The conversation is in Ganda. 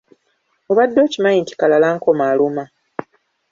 Obadde okimanyi nti kalalankoma aluma?